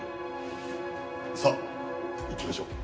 さあ行きましょう。